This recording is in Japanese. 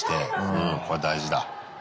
うんこれは大事だ。